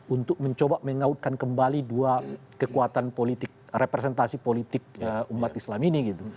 untuk mencoba mengautkan kembali dua kekuatan politik representasi politik umat islam ini gitu